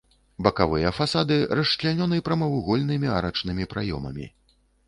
Бакавыя фасады расчлянёны прамавугольнымі арачнымі праёмамі.